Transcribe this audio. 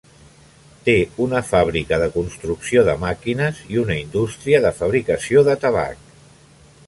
Té una fàbrica de construcció de màquines i una indústria de fabricació de tabac.